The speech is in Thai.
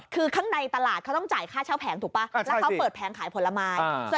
คือข้างในตลาดเขาต้องจ่ายค่าเช่าแผงถูกป่ะแล้วเขาเปิดแผงขายผลไม้